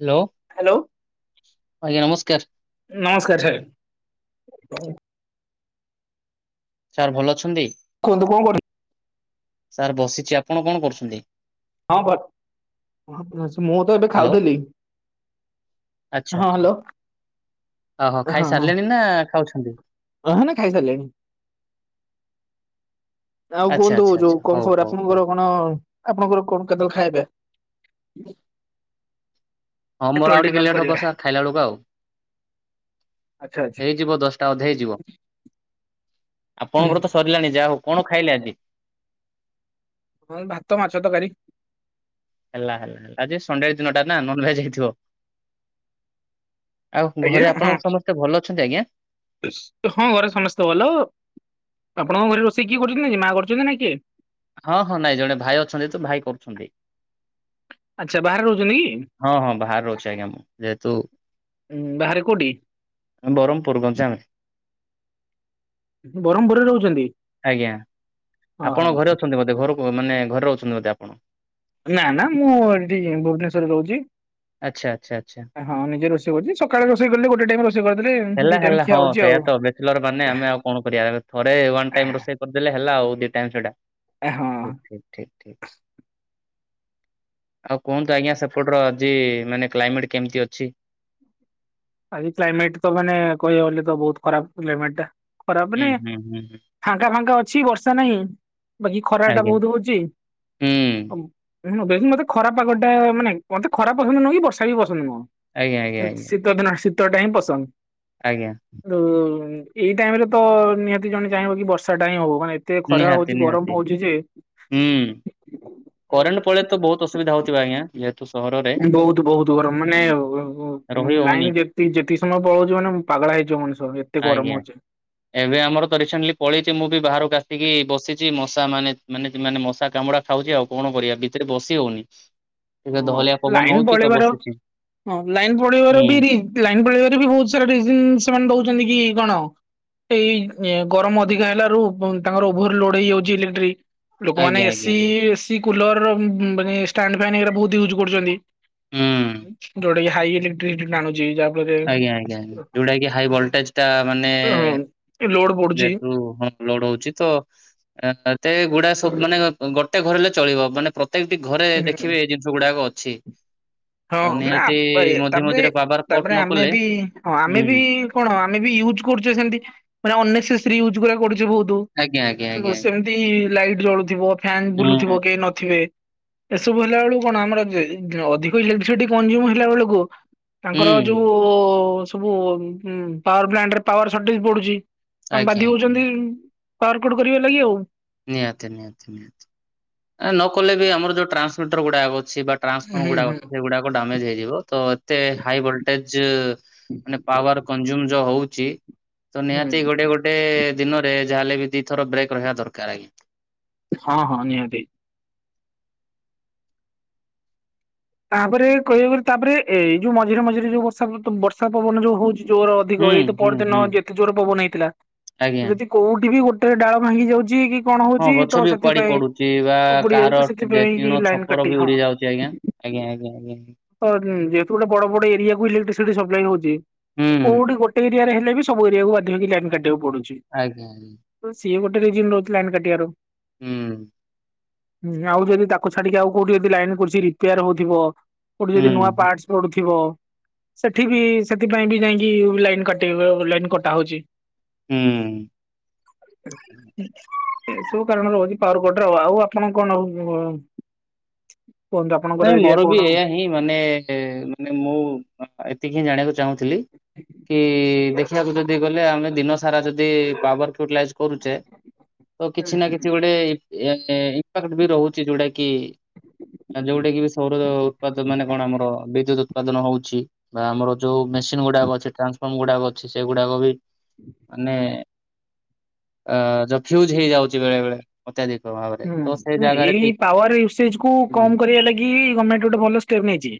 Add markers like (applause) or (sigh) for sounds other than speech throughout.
Hello hello. ଆଜ୍ଞା ନମସ୍କାର। ନମସ୍କାର ସାର୍। ସାର୍ ଭଲ ଅଛନ୍ତି? କୁହନ୍ତୁ କଁ କରି ସାର୍ ବସିଛି ଆପଣ କଣ କରୁଛନ୍ତି? ହଁ (unintelligible) ମୁଁ ତ ଏଠେ ହ୍ୟାଲୋ ଖାଉଦେଲି। ଆଚ୍ଛା ଆଚ୍ଛା ଓହୋ ଖାଇସାରିଲେଣି ନା ଖାଉଛନ୍ତି। ଅହନ ଖାଇସାରିଲେଣି। ଆଉ ଆଚ୍ଛା କୁଅନ୍ତୁ ଆଚ୍ଛା ଆଚ୍ଛା ଯୋଉ କଁ ହଉ ଖବର ହଉ ହଉ ଆପଣଙ୍କର କଣ ଆପଣଙ୍କର କଣ କେତେବେଳେ ଖାଇଆ ପିଆ? ହଁ ମୋର ଆଉ ଟିକେ ଡିନର ଲେଟ୍ ହବ କରିବା ସାର୍ ଖାଇଲାବେଳୁକୁ ଆଉ ଆଚ୍ଛା ଆଚ୍ଛା। ଏଇଯିବ ଦଶ୍ ଟା ଅଧେ ହେଇଯିବ। ଆପଣଙ୍କର ତ ସରିଲାଣି ଯା ହଉ କଣ ଖାଇଲେ ଆଜି? ମୁଁ ଭାତ ମାଛ ତରକାରୀ। ହେଲା ହେଲା ହେଲା ଆଜି ସନ୍ ଡେ ଆଜି ଦିନଟା ନା ନନ୍ ଭେଜ୍ ହେଇଥିବ। ଆଉ ଆଜ୍ଞା ଘରେ ଆପଣଙ୍କ ସମସ୍ତେ ଭଲ ଅଛନ୍ତି ଆଜ୍ଞା। ହଁ ଘରେ ସମେସ୍ତେ ଭଲ। ଆପଣଙ୍କ ଘରେ ରୋଷେଇ କିଏ କରୁଚନ୍ତି କି ମା କରୁଚନ୍ତି ନା କିଏ? ହଁ ହଁ ନାଇଁ ଜଣେ ଭାଇ ଅଛନ୍ତି ତ ଭାଇ କରୁଛନ୍ତି। ଆଚ୍ଛା ବାହାରେ ରହୁଛନ୍ତି କି? ହଁ ହଁ ବାହାରେ ରହୁଛି ଆଜ୍ଞା ମୁଁ ଯେହେତୁ ବାହାରେ କୋଉଠି ଆମେ ବରମପୁର୍ ଗଞ୍ଜାମରେ। ଆପଣ ବରହମପୁରେ ରହୁଛନ୍ତି। ଆଜ୍ଞା ହଁ ହଁ। ଆପଣ ଘରେ ଅଛନ୍ତି ବୋଧେ ଘରକୁ ମାନେ ଘରେ ରହୁଛନ୍ତି ବୋଧେ ଆପଣ। ନା ନା ମୁଁ ଏଇଟି ଭୁବନେଶ୍ଵରରେ ରହୁଚି। ଆଚ୍ଛା ଆଚ୍ଛା ଆଚ୍ଛା। ହଁ ନିଜେ ରୋଷେଇ କରୁଚି ସକାଳେ ରୋଷେଇ କରିଲେ ଗୋଟେ ଟାଇମ୍ ରୋଷ୍ ଷେଇ କରିଦେଲେ ହେଲା ଦି ଟାଇମ ହେଲା ଖିଆ ହଁ ହଉଛି ସେଇଆ ଆଉ। ତ ବେଚଲର୍ ମାନେ ଆମେ ଆଉ କଣ କରିବା ଆରେ ଥରେ ୱାନ୍ ରୋଷେଇ କରିଦେଲେ ହେଲା ଆଉ ଦି ଟାଇମ୍ ସେଇଟା। ହଁ ଠିକ୍ ଠିକ୍। ଠିକ୍ ଠିକ୍ ଆଉ କୁହନ୍ତୁ ଆଜ୍ଞା ସେପ୍ ପଟର ଆଜି ମାନେ କ୍ଲାଇମେଟ୍ କେମତି ଅଛି? ଆଜି କ୍ଲାଇମେଟ୍ ତ ମାନେ କହିବାକୁ ଗଲେ ତ ବୋହୁତ ଖରାପ କ୍ଲାଇମେଟଟା ଖରାପ ହୁଁ ମାନେ ହୁଁ ହୁଁ ହୁଁ ଫାଙ୍କା ଫାଙ୍କା ଅଛି ବର୍ଷା ନାହିଁ ବାକି ଖରାଟା ଆଜ୍ଞା ବୋହୁତ ହଉଚି ହୁଁ ଆଉ ଉଁ ଉଁ ହୁଁ ବେଶୀ ମତେ ଖରା ପାଗଟା ମାନେ ମତେ ଖରା ପସନ୍ଦ ନୁଅଁ କି ବର୍ଷା ବି ପସନ୍ଦ ନୁଅଁ। ଆଜ୍ଞା ଆଜ୍ଞା ଶୀତ୍ ଆଜ୍ଞା ଶୀ ତ ଦିନ ଶୀତଟା ହିଁ ପସନ୍ଦ। ଆଜ୍ଞା। (unintelligible) ଏଇ ଟାଇମରେ ତ ନିହାତି ଜଣେ ଚାହିଁବ କି ବର୍ଷାଟା ହିଁ ହଉ ମାନେ ଏ ଏତେ ଖରା ନିହାତି ହଉଚି ନିହାତି ଗରମ ହଉଚି ଯେ ହୁଁ କରେଣ୍ଟ ପଳେଇ ତ ବୋହୁତ ଅସୁବିଧା ହଉଥିବ ଆଜ୍ଞା ଯେହେତୁ ସହରର୍- ବୋହୁତ ବୋହୁତ ଗରମ ମାନେ (unintelligible) ରହି ମାନେ ହଉନି ଲାଇନ୍ ଯେତି ଯେତିିକି ସମୟ ପଳଉଚି ମାନେ ପାଗେଳା ହେଇଯିବ ମଣିଷ। ଏତେ ଆଜ୍ଞା। ଗରମ ହଉଚି। ଏବେ ଆମର ତ ରିସେଣ୍ଟଲି ପଳେଇଛି ମୁଁ ବି ବାହାରକୁ ଆସିକି ବସିଛି ମଶା ମାନେ ମାନେ ମାନେ ମଶା କାମୁଡା ଖାଉଛି ଆଉ କଣ କରିବା ଭିତରେ ବସି ହଉନି। ଏବେ ହଁ ଦହଲିଆ ପବନ ଲାଇନ୍ ହଉଛି ତ ପଳେଇବାର ବସିଛି ହଁ ଲାଇନ୍ ହୁଁ ପଳେଇବାର ବିରି ଲାଇନ୍ ପଳେଇବାରେ ବି ବହୁତ ସାରା ରିଜିନ ସେମାନେ ଦଉଛନ୍ତି କି କଣ ଏଇ ଗରମ ଅଧିକା ହେଲାରୁ ତାଙ୍କର ଓଭର ଲୋଡ ହେଇଯାଉଛି ଇଲେକ୍ଟ୍ରି। ଆଜ୍ଞା ଲୋକମାନେ ଆଜ୍ଞା ଏସି ଆଜ୍ଞା। ଏସି କୁଲର ମାନେ ଷ୍ଟାଣ୍ଡଫ୍ୟାନ ହେରୀକା ବହୁତ ୟୁଜ୍ କରୁଛନ୍ତି। ହୁଁ ଯୋଉଟା କି ହାଇ ଇଲେକ୍ଟ୍ରିସିଟି ଆଣୁଛି ଯାହା ଫଳରେ ଆଜ୍ଞା ଆଜ୍ଞା ଯୋଉଟା କି ହାଇ ଭୋଲଟେଜ ଟା ମାନେ ହଁ ଲୋଡ ପଡୁଛି। ଯେହେତୁ ଲୋଡହଉଛି ତ ଏତେ ଗୁଡା ସବୁ ମାନେ ଗୋଟେ ଘର ହେଲେ ଚଳିବ ମାନେ ସେମତି ଘରେ ହୁଁ ଦେଖିବେ ଏଇ ଜିନିଷ ଗୁଡାକ ଅଛି। ହଁ ତ ନିହାତି ମାନେ ମଝି ତାପରେ ମଝିରେ ପାୱାର କଟ ତାପରେ ନ ଆମେ କଲେ ବି ହଁ ଆମେ ବି ହୁଁ କଣ ଆମେ ବି ୟୁଜ୍ କରୁଛେ ସେମତି ମାନେ ଅନ ନେସେସେରି ୟୁଜ୍ କରିବାକୁ ପଡୁଛି ବହୁତ। ଆଜ୍ଞା ଆଜ୍ଞ ଆଜ୍ଞା। ଲାଇଟ୍ ଜଳୁଥିବ ଫ୍ୟାନ ହୁଁ ବୁଲୁଥିବ କେହି ନଥିବେ। ଏସବୁ ହେଲା ବେଳକୁ କଣ ଆମର ଅଧିକ ଇଲେକ୍ଟ୍ରିସିଟି କନଜିୟୁମ ହେଲା ବେଳକୁ ତାଙ୍କର ହୁଁ ଯୋଉ ସବୁ ପାୱାର ପ୍ଲାଣ୍ଟରେ ପାୱାର ସର୍ଟେଜ ପଡୁଛି। ଆମେ ଆଜ୍ଞା ବାଧ୍ୟ ଆଜ୍ଞା ହଉଛନ୍ତି ପାୱାରକଟ କରିବା ଲାଗି ଆଉ। ନିହାତି ନିହାତି ନିହାତି ନ କଲେ ବି ଆମର ଯୋଉ ଟ୍ରାନ୍ସମିଟର ଗୁଡା ଅଛି ବା ହୁଁ ଟ୍ରାନ୍ସଫର୍ମର୍ ଗୁଡ଼ାକ ହୁଁ ଅଛି ସେଗୁଡ଼ାକ ଡାମେଜ୍ ହେଇଯିବ ତ ଏତେ ହାଇ ଭୋଲ୍ଟେଜ୍ ମାନେ ପାୱାର କଂଜୁମ ଯୋଉ ହଉଛି ତ ନିହାତି ହୁଁ ଗୋଟେ ଗୋ ଟେ ଦିନରେ ଯାହାେଲେ ବି ଦିଥର ବ୍ରେକ୍ ରହିବା ଦରକାର ଆଜ୍ଞା। ହଁ ହଁ ନିହାତି। ତାପରେ କହିବାକୁ ତାପରେ ଏଇ ଯୋଉ ମଝିରେ ମଝିରେ ଯୋଉ ବର୍ଷା ବର୍ଷା ପବନ ଯୋଉ ହଉଛି। ଜୋର ହୁଁ ଅଧିକ ଏଇତ ହୁଁ ପରଦିନ ହୁଁ ଯେତେ ଜୋର ପବନ ହେଇଥିଲା ଆଜ୍ଞା। ଯଦି କୋଉଠି ବି ଗୋଟେ ଡାଳ ଭାଙ୍ଗି ଯାଉଛି କି କଣ ହଁ ହଉଛି ଗଛ ତ ବି ଉପାଡି ସେଥିପାଇଁ ପଡୁଛି ବା ଉପୁଡି ଯାଉଛି କାହାର ତ ସେଥିପାଇଁ ଟିଣ ଲାଇନ ଛପର କାଟି ବି ହଁ। ଉଡି ଯାଉଛି ଆଜ୍ଞା। ଆଜ୍ଞା ଆଜ୍ଞା ଆଜ୍ଞା। ତ ଯେହେତୁ ଗୋଟେ ବଡ ବଡ ଏରିଆକୁୁ ଇଲେକ୍ଟ୍ରିସିଟି ସପ୍ଲାଇ ହଉଛି ହୁଁ କୋଉଠି ଗୋଟେବି ଏରିଆରେ ହେଲେ ବି ସବୁ ଏରିଆକୁ ବାଧ୍ୟହେଇକି ଲାଇନ କାଟିବାକୁ ପଡୁଛି। ଆଜ୍ଞା ଆଜ୍ଞା। ସିଏ ଗୋଟେ ରିଜିନ ରହୁଛି ଲାଇନ କାଟିବାର। ହୁଁ। ହୁଁ ଆଉ ଯଦି ତାକୁ ଛାଡିକି ଆଉ କୋଉଠି ଯଦି ଲାଇନ କରୁ ରିପେୟାର ହଉଥିବ କୋଉଠି ହୁଁ ଯଦି ନୂଆ ପାର୍ଟସ ପଢୁଥିବ। ସେଠି ବି ସେଥିପାଇଁ ବି ଯାଇକି ଲାଇନ କଟି ଲାଇନ କଟା ହଉଛି। ହୁଁ। ଏ ସବୁ କାରଣ ରହୁଛି ପାୱାରକଟର ଆ ଆଉ ଆପଣ କଣ ଆଉ କୋନଡ୍ରପ ନାଇଁ ମୋର ବି ଏଇ ହିଁ ମାନେ ମାନେ ମୁଁ ଏତିକି ହିଁ ଜାଣିବାକୁ ଚାହୁଁଥିଲି କି ଦେଖିବାକୁ ଯଦି ଗଲେ ଆମେ ଦିନ ସାରା ଯଦି ପାୱାରଫୁଲ୍ ଲାଇଜ କରୁଛେ ତ କିଛି ନା କିଛି ଗୋଟେ ଇ ଇମ୍ପାକ୍ଟ ବି ରହୁଛି ଯଉଟା କି ଯୋଉଟା କି ବି ସୌର ଉତ୍ପାଦ ମାନେ କଣ ଆମର ବିଦ୍ୟୁତ୍ ଉତ୍ପାଦନ ହଉଛି ବା ଆମର ଯୋଉ ମେସିନ ଗୁଡାକ ଅଛି ଟ୍ରାନ୍ସଫର୍ମ ଗୁଡାକ ଅଛି ସେଗୁଡାକ ବି ମାନେ ଅ ଯଫ୍ୟୁଜ ହେଇଯାଉଛି ବେଳେ ବେଳେ। ଅତ୍ୟାଧିକ ଭାବ। ହୁଁଁ ଏଇ ପାୱାର ୟୁସେଜ କୁ କମ୍ କରିବା ଲାଗି ଗମେଣ୍ଟ ଗୋଟେ ଭଲ ଷ୍ଟେପ ନେଇଛି।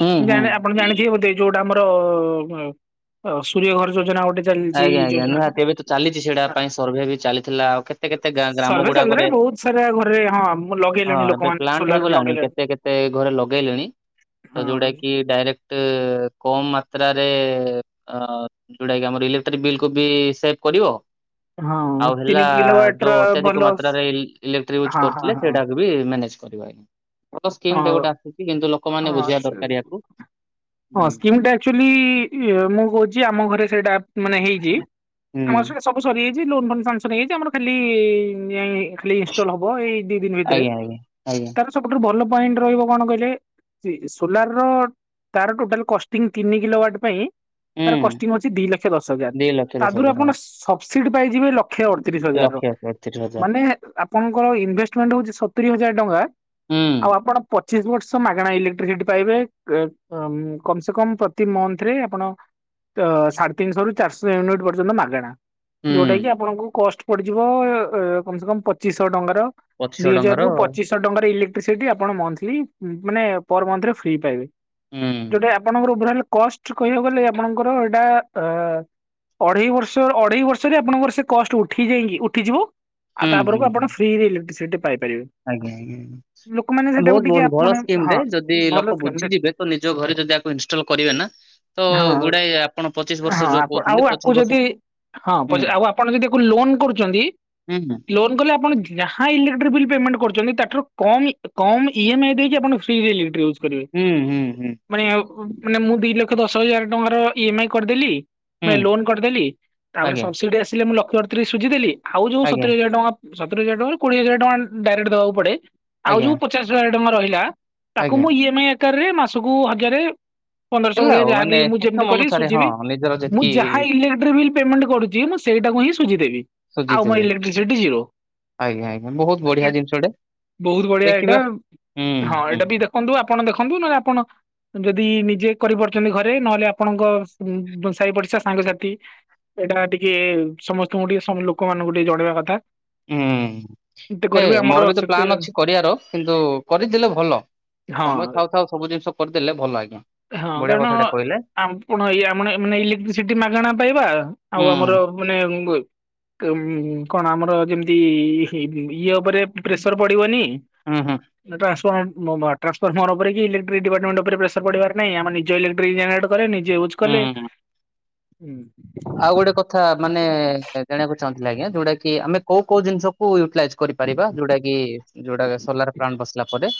ହୁଁ ମୁଁ ହୁଁ ଜାଣେ ଆପଣ ଜାଣି ଥିବେ ବୋଧେ ଯୋଉଟା ଆମର ସୂରିୟ ଘର ଯୋଜନା ଗୋଟେ ଚାଲିଛି ଆଜ୍ଞା ଆଜ୍ଞା ଯୋଜନା ହଁ। ନିହାତି ଏବେ ତ ଚାଲିଛି ସେଇଟା ପାଇଁ ସର୍ଭେ ବି ଚାଲିଥିଲା ଆଉ କେତେ କେତେ ଗ୍ରାମ ସର୍ଭେ ଚାଲିଲାଣି ଗୁଡାକରେ ବହୁତ ସାରା ଘରେ ହଁ ମୁଁ ହଁ ଲଗେଇଲେଣି ଏବେ ଲୋକମାନେ ପ୍ଲାଣ୍ଟ ସୋଲାର ହେଇଗଲାଣି ଲଗେଇଲେଣି। କେତେ କେତେ ଘରେ ଲଗେଇଲଲେଣି। ତ ହଁ ଯେଉଟା କି ଡାଇରେକ୍ଟ କମ ମାତ୍ରାରେ ଅ ଯୋଉଟାକି ଇଲେ ବକୁ ସେଭ କରିବ ହଁ ଆଉ ତିନି ହେଲା କିଲୋ ୱାଟ ର ଯୋଉ ଭଲ ଅତ୍ୟଧିକ ମାତ୍ରାରେ ଇ ଇଲେଟ୍ର ୟୁଜ ହଁ ହଁ କରୁଥିଲେ ହଁ ସେଇଟାକୁ ବି ମ୍ୟାନେଜ ହଁ ଗୋଟେ କିନ୍ତୁ ଲୋକମାନେ ହଁ ବୁଝିବା ସେ ଦରକାର ୟାକୁ। ହଁ ହୁଁ ସ୍କିମ୍ ଟା ଆଚୁଲି ମୁଁ କହୁଛି ଆମ ଘରେ ସେଇଟା ମାନେ ହେଇଛି ହୁଁ ଆମ ସବୁ ସରିଯାଇଛି ଲୋନ ଫୋନ ସଂକସନ ହେଇଯାଇଛି ଆମର ଖାଲି ଖାଲି ଇନଷ୍ଟଲ ହବ ଏଇ ଦି ଦିନ ଭିତରେ ଆଜ୍ଞା ଆଜ୍ଞା ଆଜ୍ଞା ତାର ସବୁଠୁ ଭଲ ପଏଣ୍ଟ ରହିବ କଣ କହିଲେ ସୋଲାର ର ତାର ଟୋଟାଲ କଷ୍ଟିଂ ତିନି କିଲୋ ୱାଟ ପାଇଁ ତାର ହୁଁ। କଷ୍ଟିଂ ଅଛି ଦି ଲକ୍ଷ ଦଶ ହଜାର ଦି ଲକ୍ଷ ଦଶ ତାଦହରୁ ହଜାର ହଁ ଆପଣ ସବସିଡି ପାଇଯିବେ ଲକ୍ଷ ଲକ୍ଷେ ଅଠତିରିଶ ହଜାର। ଲକ୍ଷେ ଅଠତିରିଶ ହଜାର ମାନେ ଆପଣଙ୍କର ଇନଭେଷ୍ଟମେଣ୍ଟ ହଉଛି ସତୁରି ହଜାର ଟଙ୍କା ହୁଁ ଆଉ ଆପଣ ପଚିଶ ବର୍ଷ ମାଗଣା ଇଲେକ୍ଟ୍ରିସି ପାଇବେ କମ ସେ କମ ପ୍ରତି ମଂଥ ରେ ଆପଣ ତ ସାଢ଼େ ତିନିଶହରୁ ଚାରିଶହ ୟୁନିଟ୍ ପର୍ଯ୍ୟନ୍ତ ମାଗଣା ଯୋଉଟା କି ହୁଁ। ଆପଣଙ୍କୁ କଷ୍ଟ ପଡିଯିବ କମ ସେ କମ ପଚିଶ ଶହ ଟଙ୍କାର ପଚିଶହ ଦିଇ ହଜାର ଟଙ୍କାର ରରୁ ହୁଁ ପଚିଶଶହ ଟଙ୍କାର ଇଲେକ୍ଟ୍ରିସିଟି ଆପଣ ମନ୍ଥଲି ମାନେ ପର ମନ୍ଥରେ ଫ୍ରି ପାଇବେ। ହୁଁ ଯୋଟା ଆପଣଙ୍କର ଓଭରଲ କଷ୍ଟ କହିବାକୁ ଗଲେ ଆପଣଙ୍କର ଏଇଟା ଅ ଅଢେଇ ବର୍ଷ ଅଢେଇ ବର୍ଷରେ ଆପଣଙ୍କର ସେ କଷ୍ଟ ଉଠି ଯାଇକି ଉଠିଯିବ ଆଉ ହୁଁ ହୁଁ ତାପରକୁ ଆପଣ ଫ୍ରି ରେ ଇଲେକ୍ଟ୍ରିସିଟି ପାଇପାରିବେ ଆଜ୍ଞା ଲୋକମାନେ ଆଜ୍ଞା ସେଟାକୁ ବହୁତ ଟିକେ ଭଲ ଆପଣ ଭଲ ସ୍କିମ ହଁ ରେ ଯଦି ଭଲ ଲୋକ ସ୍କିମ୍ ଟେ ବୁଝିଯିବେ ତ ନିଜ ଘରେ ଯଦିକୁ ଇନଷ୍ଟଲ କରିବେ ନା ତ ହଁ ଗୁଡାଏ ଆପଣ ପଚିଶ ହଁ ବର୍ଷ ଯୋଉ ଆପଣ ଆଉ କହୁଛନ୍ତି ଆକୁ ପଚିଶ ଯଦି ବର୍ଷ ହଁ ହୁଁ ପଚ ଆଉ ଆପଣ ଯଦି ଲୋନ୍ କରୁଛନ୍ତି ହୁଁ ଲୋ କହ ଆପଣ ଯାହା ଇଲେକ୍ଟ୍ରିକ ବିଲ୍ ପେମେଣ୍ଟ କରୁଛନ୍ତି ତାଠାରୁ କ କମ୍ ଇ ଏମ୍ ଆଇ ଦେଇ ଆପଣ ଫ୍ରି (unintelligible) ହୁଁ ହୁଁ ହୁଁ ମାନେ ହୁଁ। ମାନେ ମୁଁ ଦି ଲକ୍ଷ ଦଶ ହଜାର ଟଙ୍କାର ଇ ଏମ ଆଇ କରିଦେଲି ମ ହୁଁ ଲୋନ କରିଦେଲି ତାପରେ ଆଜ୍ଞା ସବସିଡି ଆସିଲେ ମୁଁ ଲକ୍ଷ ଅଠତିରିଶ ସୁଝିଦେଲି ଆଉ ଯୋଉ ଆଜ୍ଞା ସତୁରି ହଜାର ଟଙ୍କା ସତର ହଜାର ଟଙ୍କା କୋଡିଏ ହଜାର ଟଙ୍କା ଡାଇରେକ୍ଟ ଦବାକୁ ପଡେ ଆଉ ଆଜ୍ଞା ଯୋଉ ପଚାଶ ହଜାର ଟଙ୍କା ରହିଲା ତାକୁ ଆଜ୍ଞା ମୁଁ ଇମ ଆଇ ଆକାର ରେ ମାସକୁ ହଜାରେ ପନ୍ଦରଶହ ହେଲା ଭଳିଆ ଆଉ ଯାହାବି ମାନେ ମୁଁ ଯେମିତି ସକ୍ଷମ କରିବି ଅନୁସାରେ ହଁ ସୁଝିବି ନିଜର ମୁଁ ଯେତିକି ଯାହା ଇଲେକ୍ଟ୍ରିକ ବିଲ୍ ପେମେଣ୍ଟ କରୁଛି ମୁ ସେଇଟାକୁ ହିଁ ସୁଝିଦେବି ଆଉ ସୁଜିତ ମୋର ହେବେ ଇଲେକ୍ଟ୍ରିସିଟି ଜିରୋ ଆଜ୍ଞା ଆଜ୍ଞା ବହୁତ ବଢିଆ ଜିନିଷଟେ ବହୁତ ବଢିଆ ଏଇଟା ଦେଖିବା ହୁଁ ହଁ ହୁଁ ଏଇଟା ବି ଦେଖନ୍ତୁ ଆପଣ ଦେଖନ୍ତୁ ନହଲେ ଆପଣ ଯଦି ନିଜେ କରିପାରୁଛନ୍ତି ଘରେ ନହେଲେ ଆପଣଙ୍କ ସାହି ପଡିଶା ସାଙ୍ଗସାଥି ଏଇଟା ଟିକେ ସମସ୍ତଙ୍କୁ ଟିକେ ଲୋକମାନଙ୍କୁ ଟିକେ ଜଣେଇବା କଥା ହୁଁ ଏତେ ଏ କରିବେ ଆମର ମୋର ବି ତ ସେତେ ପ୍ଲାନ୍ ଅଛି କରିବାର କିନ୍ତୁ କରିଦେଲେ ଭଲ। ହଁ ସମୟ ଥାଉ ଥାଉ ସବୁ ଜିନିଷ କରିଦେଲେ ଭଲ ଆଜ୍ଞା। ହଁ ବଢିଆ କାରଣ କଥାଟେ କହିଲେ ଆପଣ ଇ ଆମ ମାନେ ଇଲେକ୍ଟ୍ରିସିଟି ମାଗଣା ପାଇବା ହୁଁ ଆଉ ଆମର (unintelligible) ଉ କଣ ଆମର ଯେମିତି ଇଏ ଉପରେ ପ୍ରେସର ପଡିବନି। ଉଁ ହୁଁ। ଏଟା ଆସ ଟ୍ରାନ୍ସଫର୍ମର ଉପରେ କି ଇଲେକ୍ଟ୍ର ଡିପାର୍ଟମଣ୍ଟ ଉପରେ ପ୍ରେସରଢିବାରହିଁ ଆମେ ନିଜ ଲେଟ୍ରିକ୍ ଜେରେଟ କ ନିଜେ କଲେ ହୁଁ। ହୁଁ। ଆଉ ଗୋଟେ କଥା ମାନେ ଜାଣିବାକୁ ଚାହୁଁଥିଲେ ଆଜ୍ଞା ଯୋଉଁ ଟା କି ଆମେ କୋଉଁ କୋଉଁ ଜିନିଷ କୁ କରିପାରିବା ଯୋଉଁଟା କି ଯୋଉଟା ସୋଲାର ପ୍ଲାଣ୍ଟ ବସିଲା ପରେ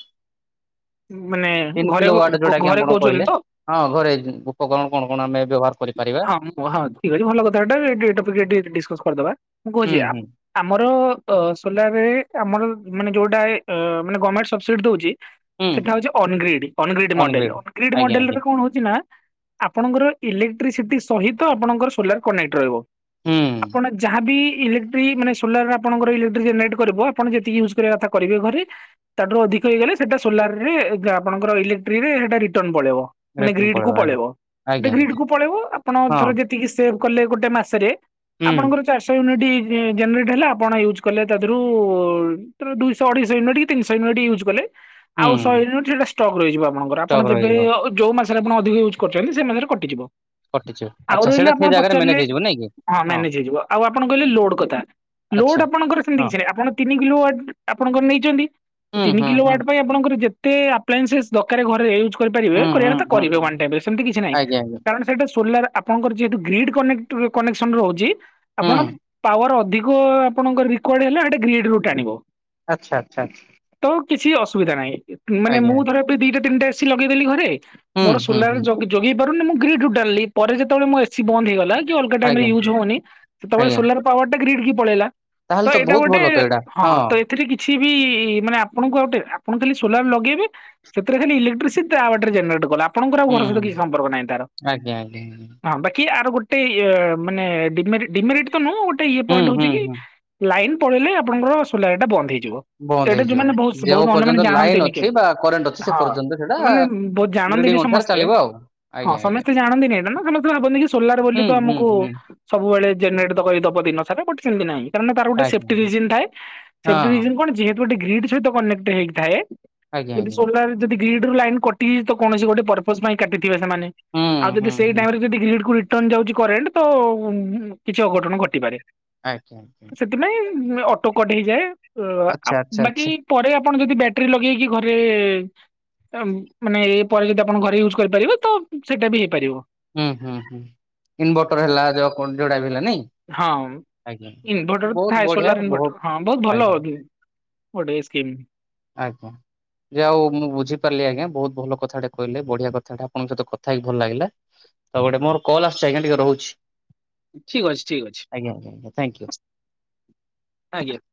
ମାନେ ତିନ ଘରେ କିଲୋ ୱାଡ ଯୋଉଁଟା କି ଘରେ ଆପଣ କହୁଛନ୍ତି କହିଲେ? ତ ହଁ ଘରେ ଉପକରଣ କଣ କଣ ଆମେ ବ୍ୟବହାର କରିପାରିବା? ହ ହଁ ଠିକ ଅଛି ଭଲ କଥାଟା ଡିସ୍କସ କରିଦବା ମୁଁ ହୁଁ କହୁଛି ହୁଁ ଆମର ସୋଲାରରେ ଆମର ମାନେ ଯୋଉଟା ମାନେ ଗଭର୍ମେଣ୍ଟ ସବସିଡି ଦଉଛି ହୁଁ ସେଟା ହଉଛି ଅନଗ୍ରିଡ ଅନଗ୍ରିଡ ଅନଗ୍ରେଡ। ମଡେଲ ଅନଗ୍ରିଡ ଆଜ୍ଞା ଆଜ୍ଞା ମଡେଲରେ କଣ ହଉଛି ନା ଆପଣଙ୍କର ଇଲେକ୍ଟ୍ରିସିଟି ସହିତ ଆପଣଙ୍କର ସୋଲାର କନେକ୍ଟ ରହିବ। ହୁଁ ଆପଣ ଯାହାବି ଇଲେ ମାନେ ସୋଲାର ଆପଣଙ୍କ ଇଲେକ୍ଟ୍ରିକ ଜେନେରେଟ କରିବ ଆପଣ ଯେତିକି ୟୁଜ୍ କରିବା କଥା କରିବେ ଘରେ ତାଠାରୁ ଅଧିକ ହେଇଗଲେ ସେଟା ସୋଲାର ରେ ଆପଣଙ୍କର ଇଲେକ୍ଟ୍ରିକରେ ସେଟା ରିଟର୍ଣ ପଳେଇବ। ମାନେ ରିଟର୍ନ ଗ୍ରୀଡ କୁ ପଳେଇବା ଆଜ୍ଞା। ପଳେଇବ ଆଜ୍ଞା ଗ୍ରୀଡ ଆଜ୍ଞା କୁ ପଳେଇବୁ ଆପଣ ଥର ହଁ ଯେତିକି ସେଭ କଲେ ଗୋଟେ ମାସରେ ହୁଁ ଆପଣଙ୍କର ଚାରିଶହ ୟୁନିଟ୍ ଜେନେରେଟ୍ ହେଲେ ଆପଣ ୟୁଜ୍ କଲେ ତାରୁ ଦୁଇଶହ ଅଢେଇଶ ଇଉନିଟ୍ ତିନିଶହୟିଟ ୟୁଜ କଲେ ଆଉ ହୁଁ ଶହେୟୁିଟ୍ ସେଟା ଷ୍ଟକ୍ ରହିଯିବ ଆପଣଙ୍କର ଆପଣ ଷ୍ଟକ୍ ଯେବେ ରହିଯିବ ଯୋଉ ମାସରେ ଆପଣ ଅଧିକ ୟୁଜ୍ କରିଛନ୍ତି ସେ ମାସରେ କଟିଯିବ। କଟିଯିବ। ଆଉ ଆଚ୍ଛା ରହିଲେ ସେଇଟା ସେ ଆପଣ ଜାଗାରେ ମ୍ୟାନେଜ ପଚାରିଲେ ହେଇଯିବ ନାଇଁ କି ହଁ ମ୍ୟାନେଜ ହେଇଯିବ ଆଉ ଆପଣ କହିଲେ ଲୋଡ କଥା। ଲୋଡ ଆଚ୍ଛା ଆପଣଙ୍କର ସେମିତି ହଁ କିଛି ନ ଆପଣ ତିନ କିଲୋ ଆପଣଙ୍କର ନେଇଛନ୍ତି ହୁଁ ତିନି ହୁଁ କିଲୋ ହୁଁ। ୱଟ୍ ପାଇଁ ଆପଣଙ୍କର ଯେତେ ଆପ୍ଏନ୍ସେସ୍ ଦର ଘରେ ୟଜ୍ କରିପାରିବେ ହୁଁ ହୁଁ ହୁଁ କରିବେ ସେମତି କିଛି ନାହିଁ। ଆଜ୍ଞା ଆଜ୍ଞା କାରଣ ସେଇଟା ସୋଲାର ଆପଣଙ୍କର ଯେହେତୁ ଗ୍ରୀଡ୍ କନେଟନ୍ - କନେକ୍ସନ ରହୁଛି ହୁଁ ଆପଣ ପାୱାର ଅଧିକ କ ଆପଣଙ୍କର ରେକର୍ଡ ହେଲେ ଆଣି ଗ୍ର୍ରୀଡରୁ ଟାଣିବ। ଆଚ୍ଛା ଆଚ୍ଛା ଅଛ ତ କିଛି ଅସୁବିଧା ନାହିଁ। ମାନେ ଆଜ୍ଞା ମୁଁ ଧର ଏବେ ଦିଟା ତିନିଟା ଏସିି ଲଗେଇଦେଲି ଘରେ। ହୁଁ ମୋର ହୁଁ ସୋଲାର ହୁଁ ଜଗେଇ ପାରୁନି। ମୁଁ ଗ୍ରିଡରୁ ଟାଣିଲି ପରେ ଯେତେବେଳେ ମୋ ଏସି ବନ୍ଦ ହେଇଗଲା ଅଲଗା ଟାଇମ ଆଜ୍ଞା ୟୁଜ୍ ହେଉନି। ସେତେବେଳେ ଆଜ୍ଞା ସୋଲାର ପାୱାର ଟା ଗ୍ରୀଡ କି ପଳେଇଲା। ତ ତାହେଲେ ଏଇଟା ବହୁତ ଗୋଟେ ଭଲ ତ ଏଇଟା ହଁ ତ ଏଥିରେ କିଛି ବି ମାନେ ଆପଣଙ୍କୁ ଆଉଟେର୍ ଆପଣ ଖାଲି ସୋଲାର ଲଗେଇବେ ସେଥିରେ ଖାଲି ଇଲେକ୍ଟ୍ରିସିଟି ତା ବାଟରେ ଜେନେରେଟ କଲା। ଆପଣଙ୍କର ହୁଁ ଘର ସହିତ ହୁଁ କିଛି ସମ୍ପର୍କ ନାହିଁ ତାର। ଆଜ୍ଞା ଆଜ୍ଞା। ହଁ ବାକି ଆର ଗୋଟେ ଇଏ ମାନେ ଡିମେରିଟ ଡିମେରିଟ୍ ତ ନୁହଁ ଗୋଟେ ଇଏ ହୁଁ ପଏଣ୍ଟ ହୁଁ ହେଉଛି କି? ହୁଁ ଲାଇନ ପଳେଇଲେ ଆପଣଙ୍କର ସୋଲାର ଟା ବନ୍ଦ ହେଇଯି ବନ୍ଦ ଏଇଟା ହେଇଯିବ ଯୋଉମାନେ ବହୁତ ବହୁତ ଯେଉଁ ଅନ୍ୟମାନେ ପର୍ଯ୍ୟନ୍ତ ଲାଇନ ଜାଣନ୍ତିନି ଅଛି କିନ୍ତୁ ବା କରେଣ୍ଟ ଅଛି ସେ ହଁ। ପର୍ଯ୍ୟନ୍ତ ସେଇଟା ମାନେ ବହୁତ ଜାଣନ୍ତିନି ଗ୍ରେଡିଙ୍ଗ ଅନୁସାରେ ସମସ୍ତେ। ଚାଲିବ ଆଉ ହଁ ଆଜ୍ଞା ଆଜ୍ଞା ସମସ୍ତେ ଜାଣନ୍ତି ନି ନା ସେମାନେତ ଭାବନ୍ତି କି ସୋଲାର ବୋଲି ହୁଁ ତ ହୁଁ ଆମକୁ ହୁଁ ସବୁବେଳେ ଜେନେରେଟ ଦବ ଦବ ଦିନ ସାରା ଗୋଟେ ସେମତି ନାହିଁ। ମାନେ ତାର ଗୋଟେ ଆଜ୍ଞା ସେଫ୍ଟି ଆଜ୍ଞା ରିଜିନ୍ ଥାଏ। ସେଫ୍ଟି ହଁ ରିଜିନ୍ କଣ ଯେହେତୁ ଗୋଟେ ଗ୍ରୀଡ୍ ସହିତ କନେକ୍ଟ ହେଇଥାଏ। ଆଜ୍ଞା ଯଦି ଆଜ୍ଞା ସୋଲାର ଯଦି ଗ୍ରୀଡ ରୁ ଲାଇନ କଟି ଯାଇଛି ତ? କୌଣସି ଗୋଟେ ପର୍ପଜ ପାଇଁ କାଟିଥିବେ ସେମାନେ। ହୁଁ ଆଉ ଯଦି ହୁଁ ସେଇ ହୁଁ ଟାଇମରେ ଯଦି ଗ୍ରୀଡ କୁ ରିଟର୍ଣ ଯାଉଛି କରେଣ୍ଟ ତ କିଛି ଅଘଟଣ ଘଟିପାରେ। ଆଜ୍ଞା ଆଜ୍ଞା। ନାଇ ଅଟୋକଟ୍ ହେଇଯାଏ। ଓ ଆଚ୍ଛା ମାନେ ଆଚ୍ଛା ବାକି ଆଚ୍ଛା ପରେ ଆପଣ ଯଦି ବ୍ୟାଟେରୀ ଲଗେଇକି ଘରେ ତାମ୍ ମାନେ ଏ ପରେ ଯଦି ଆପଣ ଘରେ ୟୁଜ୍ କରିପାରିବେ ତ ସେଇଟା ବି ହେଇପାରିବ। ହୁଁ ହୁଁ ଇନଭଟର ହେଲା ଯୋଉ କନ୍ସୁମ୍ ଡାଇଭର୍ଟ ହେଲା ନାଇଁ। ହଁ। ଆଜ୍ଞା ଇନଭଟର ବହୁତ ଥାଏ ବଢିଆ ସୋଲାର ବହୁତ ଇନଭଟର ହଁ ବହୁତ ଭଲ ଆଜ୍ଞା ହବ ଗୋଟେ ସ୍କିମ୍। ଆଜ୍ଞା। ଯା ହଉ ମୁଁ ବୁଝି ପାରିଲି ଆଜ୍ଞା। ବହୁତ ଭଲ କଥାଟେ କହିଲେ ବଢିଆ କଥାଟେ ଆପଣଙ୍କ ସହିତ କଥା ହେଇ ଭଲ ଲାଗିଲା। ତୋ ଗୋଟେ ମୋର କଲ ଆସୁଛି ଆଜ୍ଞା ଟିକେ ରହୁଛି। ଠିକ୍ ଅଛି, ଠିକ୍ ଅଛି ଆଜ୍ଞା ଆଜ୍ଞା ଆଜ୍ଞା ଥ୍ୟାଙ୍କ ୟୁ। ଆଜ୍ଞା।